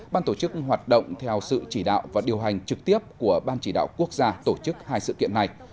ban tổ chức hoạt động theo sự chỉ đạo và điều hành trực tiếp của ban chỉ đạo quốc gia tổ chức hai sự kiện này